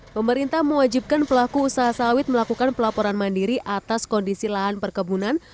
pemerintah mewajibkan pelaku usaha sawit melakukan pelaporan mandiri atas kondisi lahan perkebunan